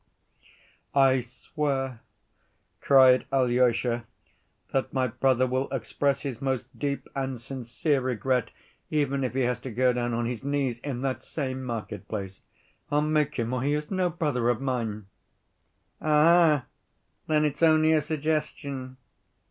"I swear," cried Alyosha, "that my brother will express his most deep and sincere regret, even if he has to go down on his knees in that same market‐place.... I'll make him or he is no brother of mine!" "Aha, then it's only a suggestion!